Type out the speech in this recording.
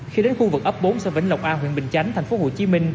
khi đến khu vực ấp bốn xã vĩnh lộc a huyện bình chánh tp hcm